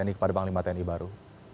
mantan panglima tni kepada panglima tni baru